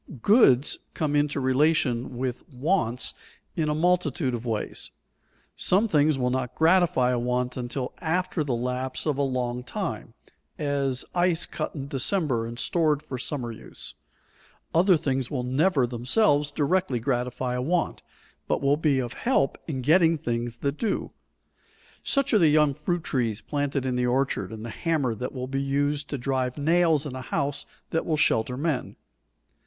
_ Goods come into relation with wants in a multitude of ways. Some things will not gratify a want until after the lapse of a long time, as ice cut in December and stored for summer use. Other things will never themselves directly gratify a want, but will be of help in getting things that do; such are the young fruit trees planted in the orchard, and the hammer that will be used to drive nails in a house that will shelter men.